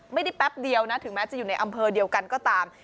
แป๊บเดียวนะถึงแม้จะอยู่ในอำเภอเดียวกันก็ตาม